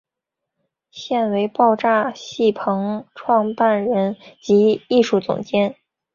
现为爆炸戏棚创办人及艺术总监。